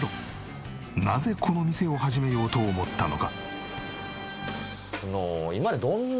なぜこの店を始めようと思ったのか？